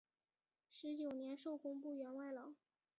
十九年授工部员外郎。